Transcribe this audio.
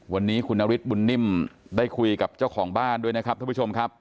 วันนี้คุณนฤทธิบุญนิ่มได้คุยกับเจ้าของบ้านด้วยนะครับท่านผู้ชมครับ